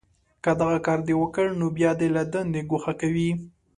که دغه کار دې وکړ، نو بیا دې له دندې گوښه کوي